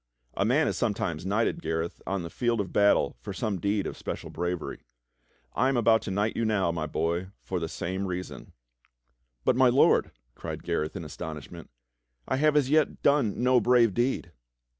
A man is sometimes knighted, Gareth, on the field of battle for some deed of special bravery. I am about to knight you now, my boy, for the same reason." "But, my Lord," cried Gareth in astonishment, "I have as yet done no brave deed!"